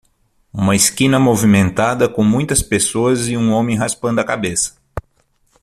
Uma esquina movimentada com muitas pessoas e um homem raspando a cabeça